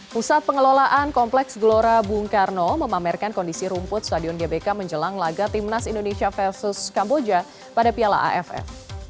pusat pengelolaan kompleks gelora bung karno memamerkan kondisi rumput stadion gbk menjelang laga timnas indonesia versus kamboja pada piala aff